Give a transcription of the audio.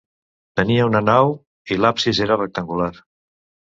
Tenia una nau i l'absis era rectangular.